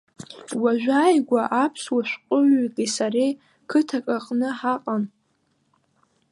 Уажәы ааигәа аԥсуа шәҟәыҩҩки сареи қыҭак аҟны ҳаҟан.